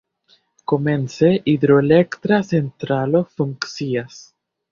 Komence hidroelektra centralo funkcias.